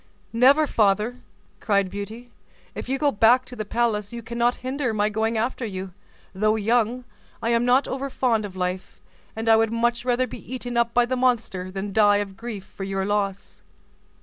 "Never, father!" cried Beauty; "if you go back to the palace, you cannot hinder my going after you; though young, I am not over fond of life; and I would much rather be eaten up by the monster, than die of grief for your loss."